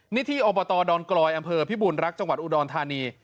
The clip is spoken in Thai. นี่ที่อบตดอนกลอยอำเภอพิบูรณรักจังหวัดอุดรธานี